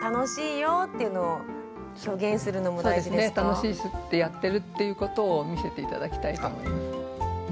楽しいしってやってるっていうことを見せて頂きたいと思います。